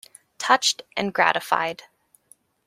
Touched and gratified.